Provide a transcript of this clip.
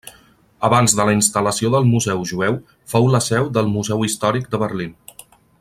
Abans de la instal·lació del museu jueu, fou la seu del museu històric de Berlín.